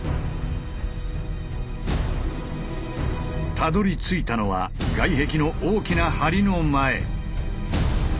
たどりついたのは外壁の大きな梁の前。